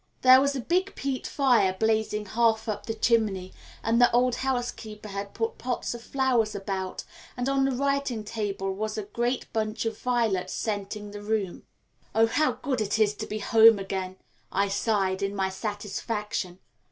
There was a big peat fire blazing half up the chimney, and the old housekeeper had put pots of flowers about, and on the writing table was a great bunch of violets scenting the room. "Oh, how good it is to be home again!" I sighed in my satisfaction.